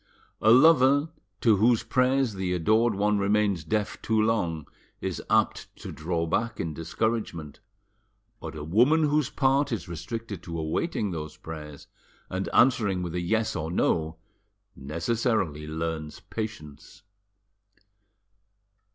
A lover to whose prayers the adored one remains deaf too long is apt to draw back in discouragement, but a woman whose part is restricted to awaiting those prayers, and answering with a yes or no, necessarily learns patience.